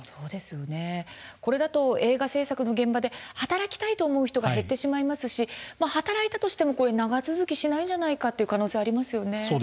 これだと映画制作の現場で働きたいと思う人は減ってしまいますし働いたとしても長続きしないのではないかというそうですよね